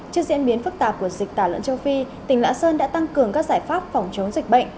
trước diễn biến phức tạp của dịch tả lợn châu phi tỉnh lạng sơn đã tăng cường các giải pháp phòng chống dịch bệnh